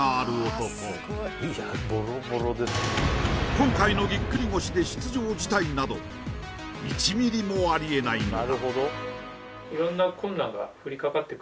今回のぎっくり腰で出場辞退など１ミリもあり得ないのだ